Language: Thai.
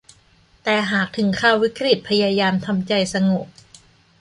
แต่หากถึงคราววิกฤตพยายามทำใจสงบ